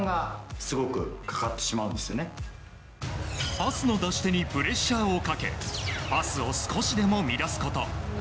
パスの出し手にプレッシャーをかけパスを少しでも乱すこと。